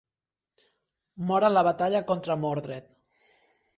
Mor en la batalla contra Mordred.